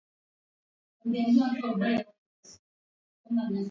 Uchoraji ni njia nzuri ya kujinufaisha